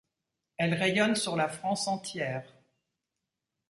Elle rayonne sur la France entière.